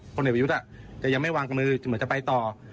เด็กประยุทธ์จะยังไม่วางมือเหมือนจะไปต่อ